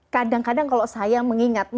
kadang kadang kalau saya mengingat